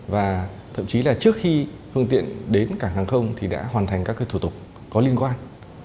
và thậm chí là trước khi phương tiện đến cảng hàng không thì đã hoàn thành các thủ tục có liên quan